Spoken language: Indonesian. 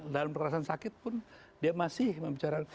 dalam perasaan sakit pun dia masih membicarakan